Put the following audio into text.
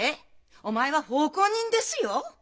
お前は奉公人ですよ。